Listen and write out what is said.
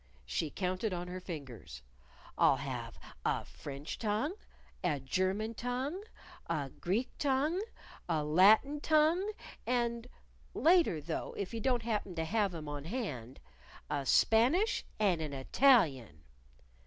She counted on her fingers. "I'll have a French tongue, a German tongue, a Greek tongue, a Latin tongue, and later, though, if you don't happen to have 'em on hand a Spanish and an Italian."